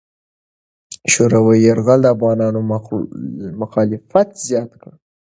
شوروي یرغل د افغانانو مخالفت زیات کړ.